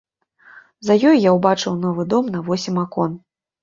За ёй я ўбачыў новы дом на восем акон.